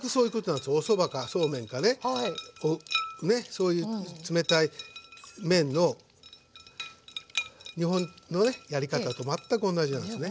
そういう冷たい麺の日本のねやり方と全く同じなんですね。